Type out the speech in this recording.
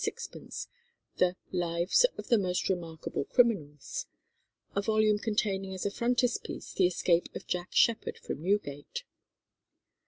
_ the "Lives of the Most Remarkable Criminals," a volume containing as a frontispiece the escape of Jack Sheppard from Newgate.